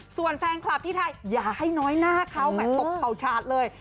ส่วนแฟนคลับที่ไทยอย่าให้น้อยหน้าเขาแหม่ตกเข่าฉาดเลย